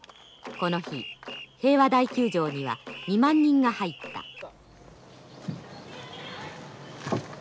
この日平和台球場には２万人が入った。